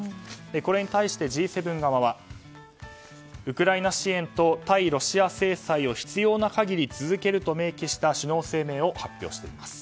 これに対して、Ｇ７側はウクライナ支援と対ロシア制裁を必要な限り続けると明記した首脳声明を発表しています。